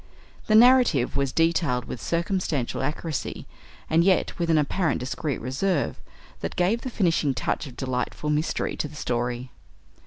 The narrative was detailed with circumstantial accuracy, and yet with an apparent discreet reserve, that gave the finishing touch of delightful mystery to the story.